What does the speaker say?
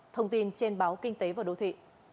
thông tin trên báo kinh tế và đô thị